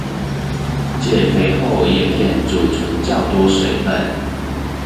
藉肥厚葉片貯存較多水分